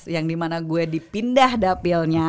yang dimana gue dipindah dapilnya